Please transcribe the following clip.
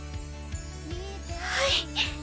はい。